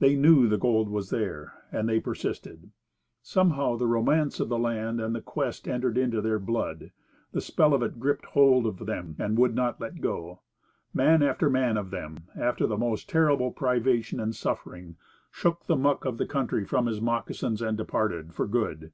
They "knew" the gold was there, and they persisted. Somehow, the romance of the land and the quest entered into their blood, the spell of it gripped hold of them and would not let them go. Man after man of them, after the most terrible privation and suffering, shook the muck of the country from his moccasins and departed for good.